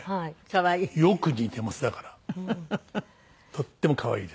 とっても可愛いです。